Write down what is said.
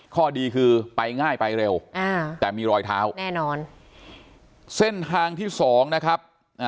ข้อดีคือไปง่ายไปเร็วแต่มีรอยเท้าแน่นอนเส้นทางที่สองนะครับ